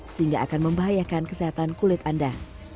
sehingga akan membahayakan kesehatan kulit anda